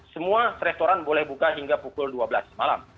semua restoran boleh buka hingga pukul dua belas malam